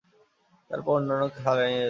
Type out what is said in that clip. তারপর অন্যান্য খালে নিয়ে যেত।